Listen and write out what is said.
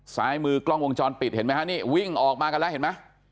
ซ้ายมือกล้องวงจรปิดเห็นไหมฮะนี่วิ่งออกมากันแล้วเห็นไหม